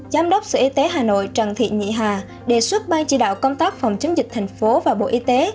giám đốc sở y tế hà nội trần thị nhị hà đề xuất ban chỉ đạo công tác phòng chống dịch thành phố và bộ y tế